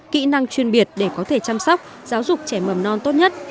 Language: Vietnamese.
kỹ năng chuyên biệt để có thể chăm sóc giáo dục trẻ mầm non tốt nhất